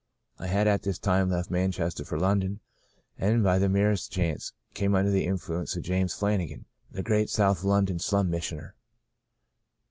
I had at this time left Manchester for London, and by the merest chance came under the influ ence of James Flanagan, the great South London slum missioner.